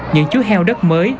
những chú heo đất mới